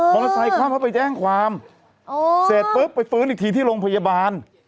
อเตอร์ไซคว่ำเขาไปแจ้งความเสร็จปุ๊บไปฟื้นอีกทีที่โรงพยาบาล